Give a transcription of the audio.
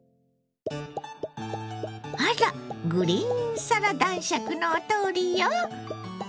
あらグリーンサラ男爵のお通りよ。